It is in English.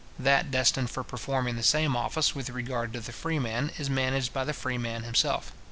That destined for performing the same office with regard to the freeman is managed by the freeman himself.